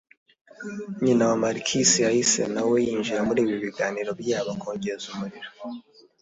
nyina wa Marquise yahise nawe yinjira muri ibi biganiro byabo akongeza umuriro